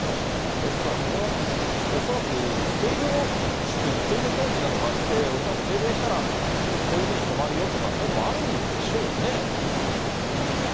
ですから、これは恐らく制御室に制御装置などがあって、恐らく停電したらこういうふうに止まるよとか、そういうのもあるんでしょうね。